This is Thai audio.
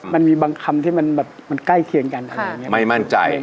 มันมีบางคำที่มันแบบมันใกล้เคียงกันไม่มั่นใจ